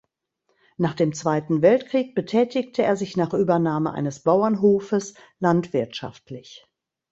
Nach dem Zweiten Weltkrieg betätigte er sich nach Übernahme eines Bauernhofes landwirtschaftlich.